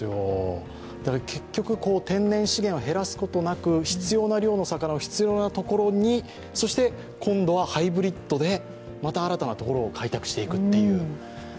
結局、天然資源を減らすことなく必要な量の魚を必要な所に今度はハイブリッドでまた新たなところを開拓していくという。